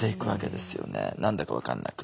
何だか分かんなく。